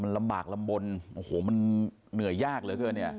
ลำบากลำบลเนื่อยยากเหลือเกิน